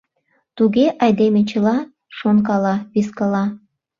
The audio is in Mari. — Туге, айдеме чыла шонкала, вискала...